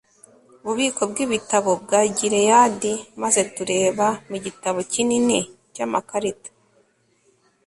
bubiko bw ibitabo bwa Gileyadi maze tureba mu gitabo kinini cy amakarita